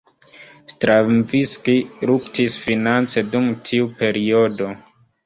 Stravinski luktis finance dum tiu periodo.